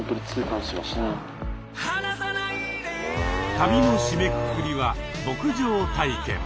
旅の締めくくりは牧場体験。